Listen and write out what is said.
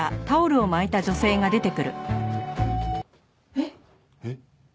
えっ？えっ？